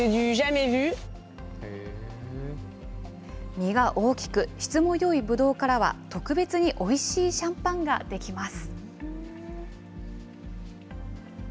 実が大きく質もよいぶどうからは、特別においしいシャンパンができます。